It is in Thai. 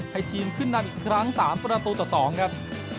ให้ทีมขึ้นนำอีกครั้ง๓ประตูต่อ๒ครับ